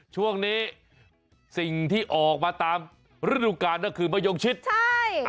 ช่วงนี้สิ่งที่ออกมาตามฤดูกาลก็คือมะยงชิดใช่